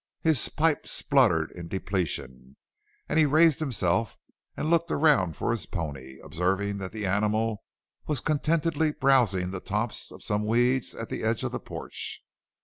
His pipe spluttered in depletion and he raised himself and looked around for his pony, observing that the animal was contentedly browsing the tops of some weeds at the edge of the porch.